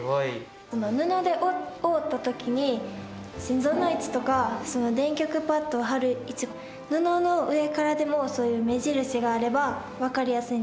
布で覆った時に心臓の位置とか電極パットを貼る位置が布の上からでもそういう目印があれば分かりやすいんじゃないかという理由で。